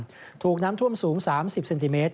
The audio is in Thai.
ถูกถูกน้ำทั่วมสูง๓๐ซ็นติเมตร